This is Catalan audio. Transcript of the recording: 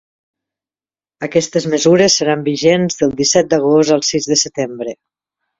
Aquestes mesures seran vigents del disset d’agost al sis de setembre.